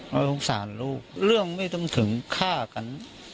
แล้วโทษสานลูกเรื่องไม่จำถึงฆ่ากัน